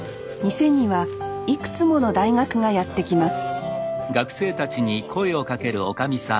店にはいくつもの大学がやって来ます